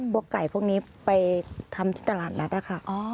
พวกไก่พวกนี้ไปทำที่ตลาดนัดนะคะ